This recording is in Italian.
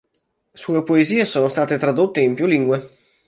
Sue poesie sono state tradotte in più lingue.